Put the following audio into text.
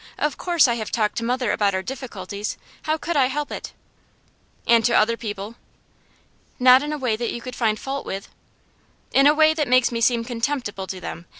Of course I have talked to mother about our difficulties; how could I help it?' 'And to other people.' 'Not in a way that you could find fault with.' 'In a way that makes me seem contemptible to them.